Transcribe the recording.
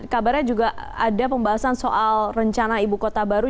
kabarnya juga ada pembahasan soal rencana ibu kota baru